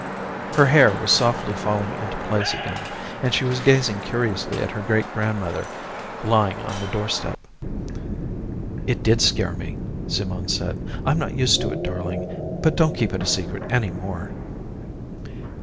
Her hair was softly falling into place again, and she was gazing curiously at her great grandmother lying on the doorstep. "It did scare me," Simone said. "I'm not used to it, darling. But don't keep it secret any more."